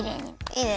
いいね。